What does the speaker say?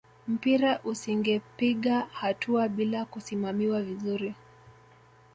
mpira usingepiga hatua bila kusimamiwa vizuri